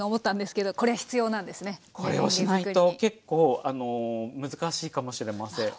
これをしないと結構難しいかもしれません。